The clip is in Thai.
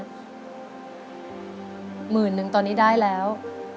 ๑๐๐๐บาทตอนนี้ได้แล้ว